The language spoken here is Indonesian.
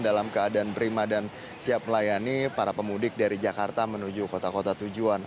dalam keadaan prima dan siap melayani para pemudik dari jakarta menuju kota kota tujuan